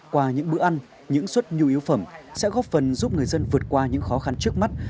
qua những bữa ăn những suất nhu yếu phẩm sẽ góp phần giúp người dân vượt qua những khó khăn trước mắt